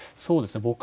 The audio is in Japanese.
そうですね